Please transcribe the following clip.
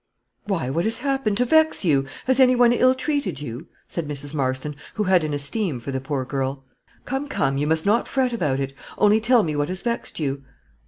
"Why, what has happened to vex you? Has anyone ill treated you?" said Mrs. Marston, who had an esteem for the poor girl. "Come, come, you must not fret about it; only tell me what has vexed you."